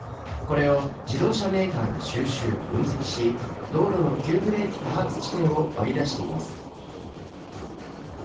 これを自動車メーカーが収集分析し道路の急ブレーキ多発地点を割り出しています。